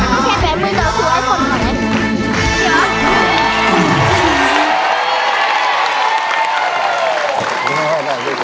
ไม่รู้ไหมไม่ได้ปรากฏอยู่